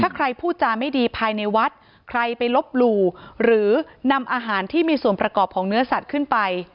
ถ้าใครพูดจาไม่ดีภายในวัดใครไปลบหลู่หรือนำอาหารที่มีส่วนประกอบของเนื้อสัตว์ขึ้นไป